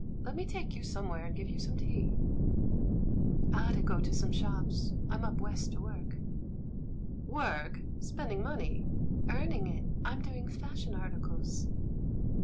... Let me take you somewhere and give you some tea.'* "I ought to go to some shops; I'm up West to work." " 'Work' ? Spending money ?" "Earning it — I'm doing fashion articles."